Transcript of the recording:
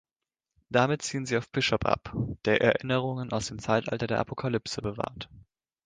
Damit zielen sie auf Bishop ab, der Erinnerungen aus dem Zeitalter der Apokalypse bewahrt.